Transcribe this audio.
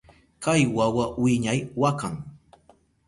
Kay wawa wiñay wakan.